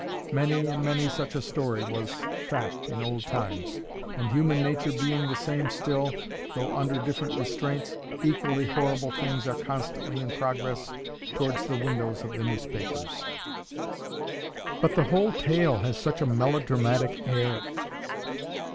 Many and many such a story was fact in old times; and human nature being the same still, though under different restraints, equally horrible things are constantly in progress towards the windows of the newspapers. "But the whole tale has such a melodramatic air!"